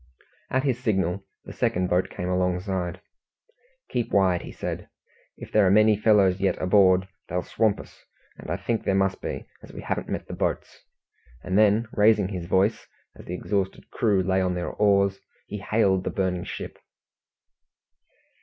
At his signal, the second boat came alongside. "Keep wide," he said. "If there are many fellows yet aboard, they'll swamp us; and I think there must be, as we haven't met the boats," and then raising his voice, as the exhausted crew lay on their oars, he hailed the burning ship.